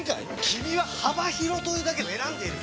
君は幅広というだけで選んでいる！